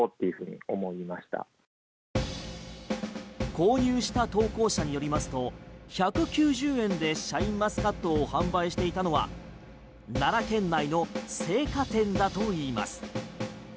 購入した投稿者によりますと１９０円でシャインマスカットを販売していたのは奈良県内の青果店だといいます。